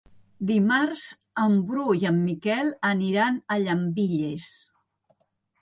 Dimarts en Bru i en Miquel aniran a Llambilles.